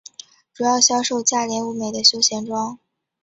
主要销售价廉物美的休闲装。